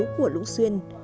của lũng xuyên